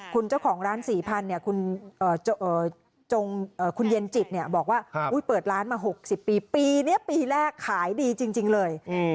คุณเจ้าของร้าน๔๐๐คุณเย็นจิตบอกว่าเปิดร้านมา๖๐ปีปีนี้ปีแรกขายดีจริงเลย